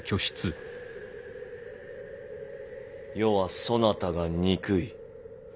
余はそなたが憎い。